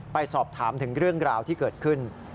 ไปสอบถามถึงเรื่องราวที่เกิดขึ้น